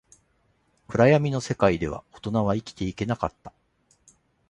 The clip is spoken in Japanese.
暗闇の世界では、大人は生きていけなかった